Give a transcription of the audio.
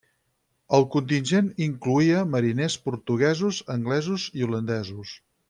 El contingent incloïa mariners portuguesos, anglesos i holandesos.